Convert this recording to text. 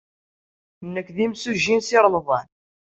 Nekk d imsujji n Si Remḍan.